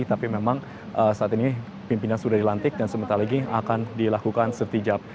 tapi memang saat ini pimpinan sudah dilantik dan sebentar lagi akan dilakukan sertijab